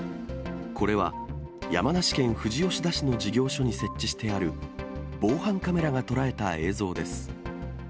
これは山梨県富士吉田市の事業所に設置してある防犯カメラが捉えた映像です。